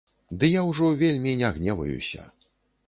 Ды я ўжо вельмі не гневаюся.